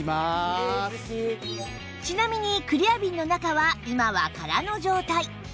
ちなみにクリアビンの中は今は空の状態